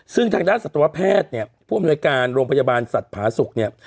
ซึ่งทางด้านสัตวแพทย์เนี่ยผู้อำนวยการโรงพยาบาลสัตว์ผาสุกเนี่ย